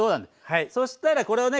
そしたらこれをね